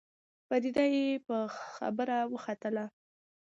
فريده يې په خبره وختله.